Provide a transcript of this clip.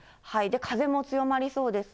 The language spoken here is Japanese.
風も強まりそうです。